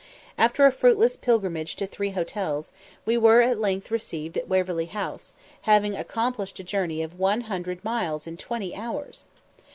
After a fruitless pilgrimage to three hotels, we were at length received at Waverley House, having accomplished a journey of one hundred miles in twenty hours!